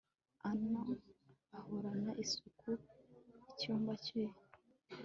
ann ahorana isuku icyumba cye